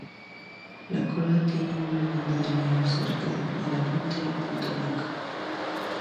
La cola tiene una banda de negro cerca de la punta y punta blanca.